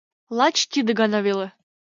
Лач тиде гана веле!